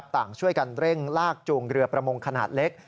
ต่างช่วยกันเร่งลากจูงเรือประมงขนาดเล็ก